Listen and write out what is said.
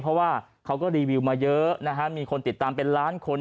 เพราะว่าเขาก็รีวิวมาเยอะนะฮะมีคนติดตามเป็นล้านคน